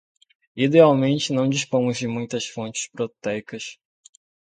Idealmente, não dispomos de muitas fontes proteicas